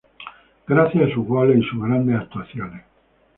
Gracias a sus goles y sus grandes actuaciones.